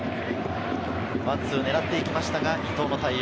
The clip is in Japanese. ワンツーを狙っていきましたが伊藤の対応。